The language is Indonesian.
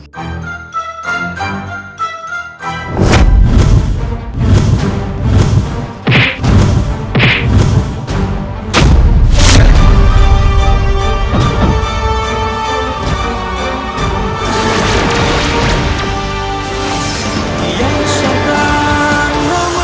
yang syahkan namanya